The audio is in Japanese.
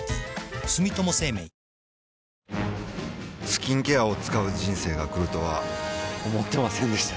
スキンケアを使う人生が来るとは思ってませんでした